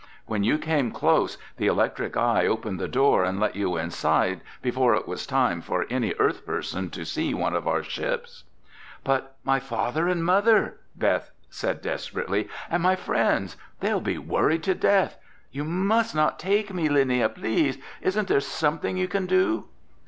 When you came close, the electric eye opened the door and let you inside before it was time for any earth person to see one of our ships." "But my father and mother," Beth said desperately, "and my friends! They'll be worried to death! You must not take me, Linnia! Please, isn't there something you can do?"